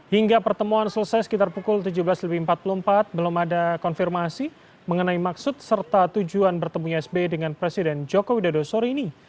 hingga pertemuan selesai sekitar pukul tujuh belas empat puluh empat belum ada konfirmasi mengenai maksud serta tujuan bertemunya sby dengan presiden joko widodo sore ini